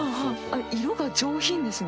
色が上品ですね。